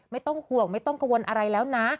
ไม่ต้องห่วงไม่ต้องกังวลอะไรแล้วนะ